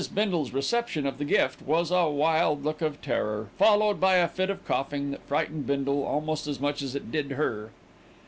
Bindle's reception of the gift was a wild look of terror, followed by a fit of coughing that frightened Bindle almost as much as it did her.